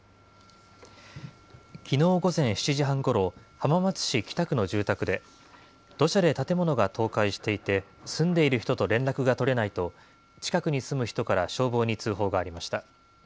きのう午前７時半ごろ、浜松市北区の住宅で、土砂で建物が倒壊していて、住んでいる人と連絡が取れないと、近くに住む人から消防に通報がありました。